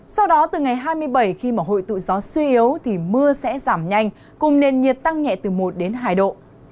sau đó từ ngày hai mươi bảy khi mà hội tụ gió suy yếu thì mưa sẽ giảm nhanh cùng nền nhiệt tăng nhẹ từ một đến hai độ